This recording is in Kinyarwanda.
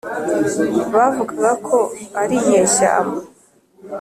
bavugaga ko ari inyeshyamba